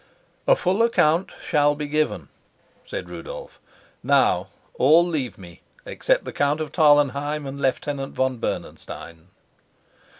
"A full account shall be given," said Rudolf. "Now let all leave me, except the Count of Tarlenheim and Lieutenant von Bernenstein."